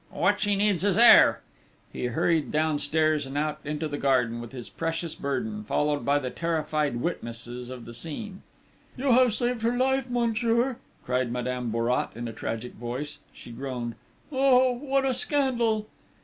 "What she needs is air!" He hurried downstairs and out into the garden with his precious burden, followed by the terrified witnesses of the scene. "You have saved her life, monsieur!" cried Madame Bourrat in a tragic voice. She groaned. "Oh, what a scandal!"